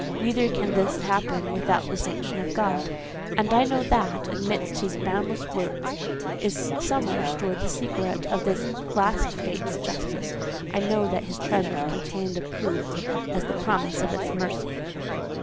Neither can this happen without the sanction of God; and I know that, amidst His boundless works, is somewhere stored the secret of this last fate's justice: I know that His treasures contain the proof as the promise of its mercy."